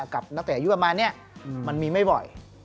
นักเตะอายุประมาณนี้มันมีไม่บ่อย